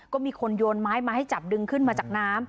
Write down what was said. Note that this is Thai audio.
ก็มีคนโยนไม้มาให้จับดึงขึ้นมาจากน้ำ